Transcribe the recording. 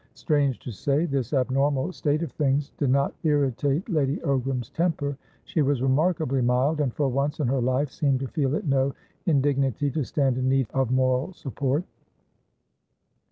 Strange to say, this abnormal state of things did not irritate Lady Ogram's temper; she was remarkably mild, and for once in her life seemed to feel it no indignity to stand in need of moral support.